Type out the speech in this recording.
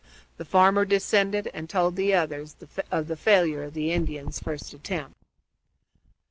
The farmer descended and told the others of the failure of the Indians' first attempt.